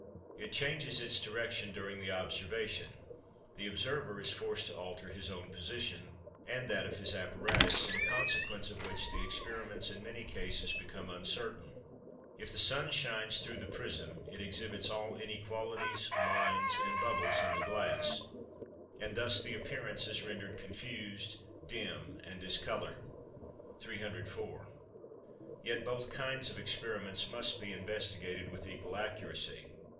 It changes its direction during the observation, the observer is forced to alter his own position and that of his apparatus, in consequence of which the experiments in many cases become uncertain. If the sun shines through the prism it exhibits all inequalities, lines, and bubbles in the glass, and thus the appearance is rendered confused, dim, and discoloured. 304. Yet both kinds of experiments must be investigated with equal accuracy.